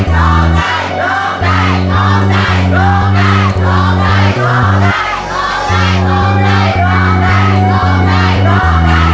พิษครับ